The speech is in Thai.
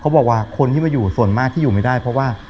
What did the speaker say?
บอกว่าคนที่มาอยู่ส่วนมากที่อยู่ไม่ได้เพราะว่า